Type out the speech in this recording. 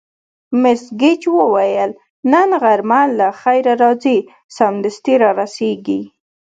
مس ګېج وویل: نن غرمه له خیره راځي، سمدستي را رسېږي.